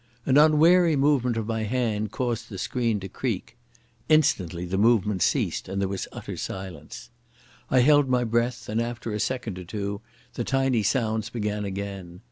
An unwary movement of my hand caused the screen to creak. Instantly the movements ceased and there was utter silence. I held my breath, and after a second or two the tiny sounds began again.